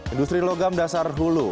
industri logam dasar hulu